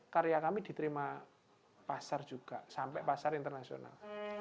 karya kami diterima pasar juga sampai pasar internasional